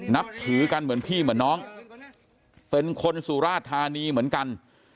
นับถือกันเหมือนพี่เหมือนน้องเป็นคนสุราธานีเหมือนกัน